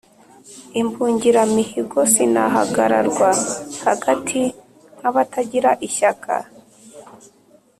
imbungiramihigo sinahagararwa hagati nk'abatagira ishyaka,